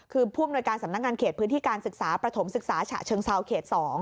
คือผู้อำนวยการสำนักงานเขตพื้นที่การศึกษาประถมศึกษาฉะเชิงเซาเขต๒